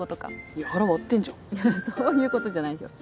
いやそういうことじゃないでしょ。